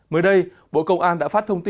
mới đây bộ công an đã phát thông tin